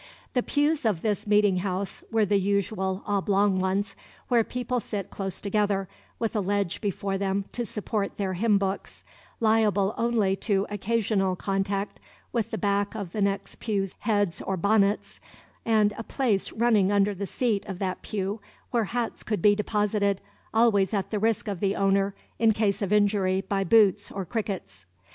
The pews of this meeting house were the usual oblong ones, where people sit close together, with a ledge before them to support their hymn books, liable only to occasional contact with the back of the next pew's heads or bonnets, and a place running under the seat of that pew where hats could be deposited, always at the risk of the owner, in case of injury by boots or crickets.